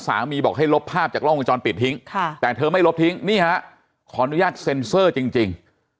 บอกให้ลบภาพจากล้องวงจรปิดทิ้งแต่เธอไม่ลบทิ้งนี่ฮะขออนุญาตเซ็นเซอร์จริง